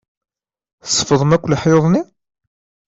Tsefḍem akk leḥyuḍ-nni?